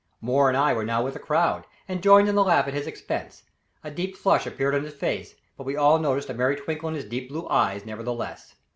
Moore and I were now with the crowd, and joined in the laugh at his expense. A deep flush appeared on his face, but we all noticed a merry twinkle in his deep blue eyes, nevertheless.